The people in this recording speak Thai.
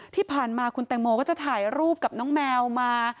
ที่ผ่านมาคุณแตงโมก็จะถ่ายรูปกับน้องแมวมา